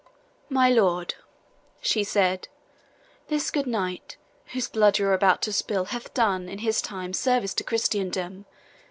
"My lord," she said, "this good knight, whose blood you are about to spill, hath done, in his time, service to Christendom.